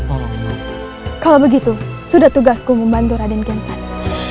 tolong kalau begitu sudah tugasku membantu raden gensai